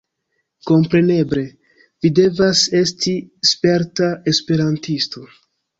Kompreneble, vi devas esti sperta esperantisto